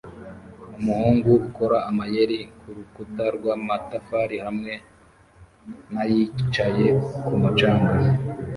Umuhungu ukora amayeri kurukuta rw'amatafari hamwe na yicaye kumu canga